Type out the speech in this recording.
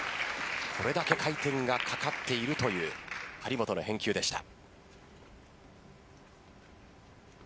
これだけ回転がかかっているという張本の返球でした。